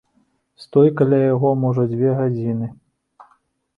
Стой каля яго можа дзве гадзіны.